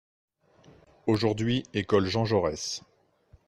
Aujourd'hui Ecole Jean Jaurès.